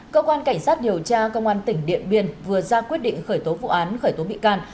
cơ quan cảnh sát điều tra công an tỉnh điện biên vừa ra quyết định khởi tố vụ án khởi tố bị can